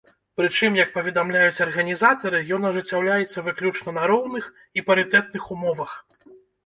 Прычым, як паведамляюць арганізатары, ён ажыццяўляецца выключна на роўных і парытэтных умовах.